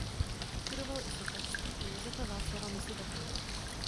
Studoval i sochařství u Josefa Václava Myslbeka.